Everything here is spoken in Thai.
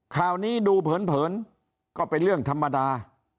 ข่าวนี้ดูเผินก็เป็นเรื่องธรรมดา